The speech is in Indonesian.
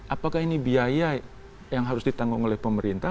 apakah ini biaya yang harus ditanggung oleh pemerintah